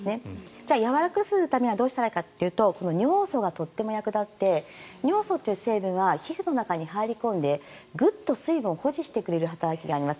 じゃあやわらかくするためには何が重要かというと尿素が役割を発揮して尿素という成分は皮膚の中に入り込んでグッと水分を保持してくれる働きがあります。